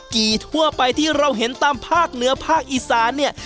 กี่ทั่วไปที่เราเห็นตามภาคเหนือภาคอีสานเนี่ย